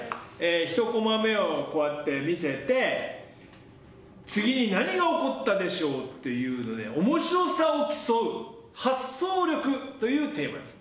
１コマ目を見せて次に何が起こったでしょう？というので面白さを競う発想力というテーマです。